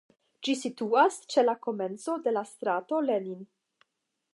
Ĝi situas ĉe la komenco de strato Lenin.